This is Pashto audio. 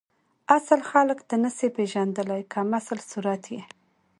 اصل خلک ته نسی پیژندلی کمسل صورت یی